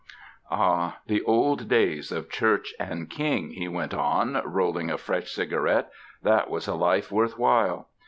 ''Ah, the old days of Church and King," he went on, rolling a fresh cigarette; ''that was a life worth while.